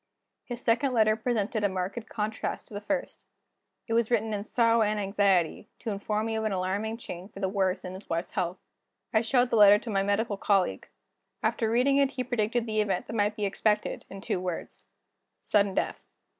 His second letter presented a marked contrast to the first. It was written in sorrow and anxiety, to inform me of an alarming change for the worse in his wife's health. I showed the letter to my medical colleague. After reading it he predicted the event that might be expected, in two words: Sudden death.